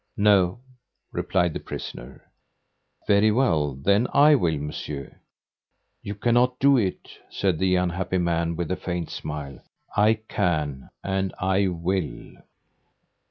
"No!" replied the prisoner. "Very well, then I will, Monsieur." "You cannot do it," said the unhappy man with a faint smile. "I can and I will."